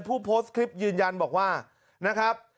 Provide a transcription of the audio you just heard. ผู้โพสต์คลิปยืนยันบอกว่านะครับ